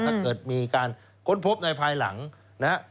ถ้าเกิดมีการค้นพบในภายหลังนะฮะ